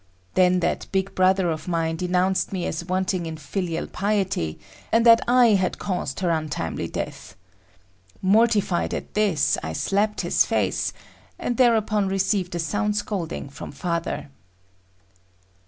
Then that big brother of mine denounced me as wanting in filial piety, and that I had caused her untimely death. Mortified at this, I slapped his face, and thereupon received a sound scolding from father.